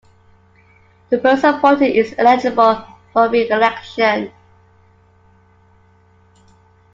The person appointed is eligible for re-election.